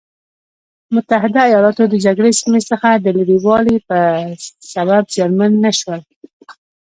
متحده ایلاتو د جګړې سیمې څخه د لرې والي په سبب زیانمن نه شول.